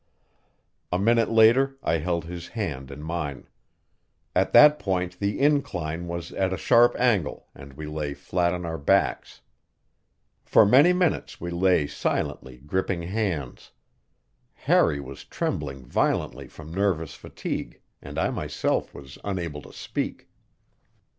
A minute later I held his hand in mine. At that point the incline was at a sharp angle, and we lay flat on our backs. For many minutes we lay silently gripping hands; Harry was trembling violently from nervous fatigue, and I myself was unable to speak.